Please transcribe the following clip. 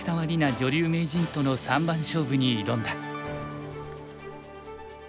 女流名人との三番勝負に挑んだ。